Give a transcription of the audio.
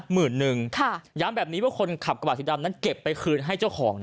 หมื่นนึงย้ำแบบนี้ว่าคนขับกระบาดสีดำนั้นเก็บไปคืนให้เจ้าของนะ